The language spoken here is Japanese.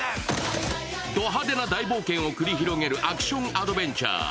ド派手な大冒険を繰り広げるアクションアドベンチャー。